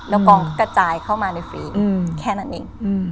แล้วกองก็กระจายเข้ามาในฟิล์มแค่นั้นเอง